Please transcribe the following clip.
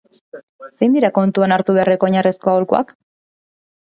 Zein dira kontuan hartu beharreko oinarrizko aholkuak?